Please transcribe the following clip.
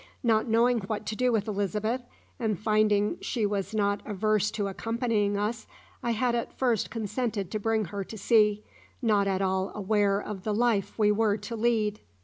Not knowing what to do with Elizabeth, and finding she was not averse to accompanying us, I had at first consented to bring her to sea, not at all aware of the life we were to lead."